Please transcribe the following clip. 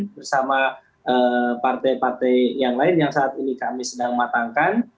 bersama partai partai yang lain yang saat ini kami sedang matangkan